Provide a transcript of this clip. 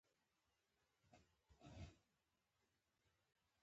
افغانستان له برکتي بارانونو څخه ډک یو هېواد دی.